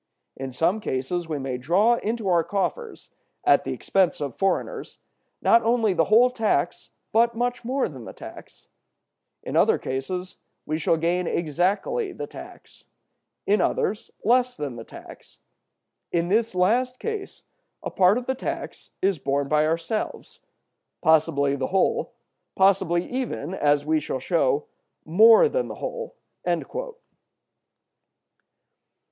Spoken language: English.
In some cases we may draw into our coffers, at the expense of foreigners, not only the whole tax, but more than the tax; in other cases we should gain exactly the tax; in others, less than the tax. In this last case a part of the tax is borne by ourselves; possibly the whole, possibly even, as we shall show, more than the whole."